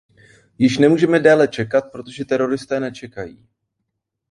Již nemůžeme déle čekat, protože teroristé nečekají.